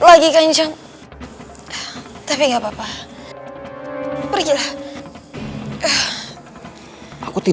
masa gr fortunate ini saya vnd dua ratus